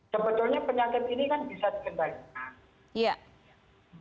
sebetulnya penyakit ini kan bisa dikendalikan